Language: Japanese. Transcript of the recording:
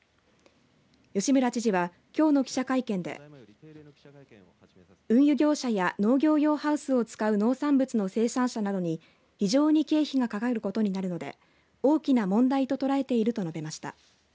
吉村知事は、きょうの記者会見で運輸業者や農業用ハウスを使う農産物の生産者などに非常に経費がかかることになるので大きな問題と捉えていると述べました。